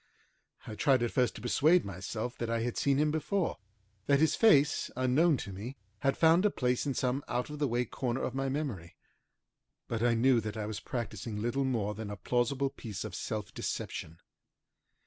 I tried at first to persuade myself that I had seen him before, that his face, unknown to me, had found a place in some out of the way corner of my memory, but I knew that I was practicing little more than a plausible piece of self deception.